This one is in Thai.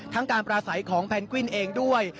การปราศัยของแพนกวินเองด้วย